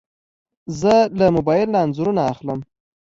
زه له موبایل نه انځورونه اخلم.